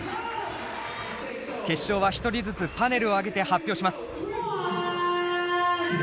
決勝は１人ずつパネルを上げて発表します。